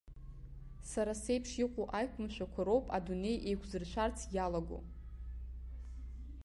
Сара сеиԥш иҟоу аиқәымшәақәа роуп адунеи еиқәзыршәарц иалаго.